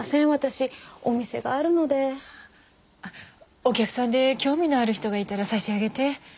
お客さんで興味のある人がいたら差し上げて。